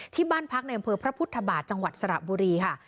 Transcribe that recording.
ที่บ้านพักในอำเภอพระพุทธบาทจังหวัดสระบุรีค่ะ